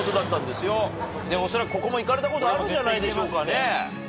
おそらくここも行かれたことあるんじゃないでしょうかね。